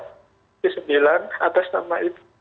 komisi sembilan atas nama itu